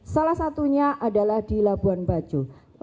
salah satunya adalah di labuan bajo